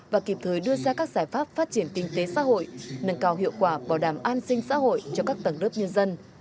và kịp thời đưa ra các giải pháp phát triển kinh tế xã hội nâng cao hiệu quả bảo đảm an sinh xã hội cho các tầng đất nhân dân